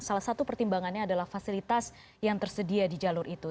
salah satu pertimbangannya adalah fasilitas yang tersedia di jalur itu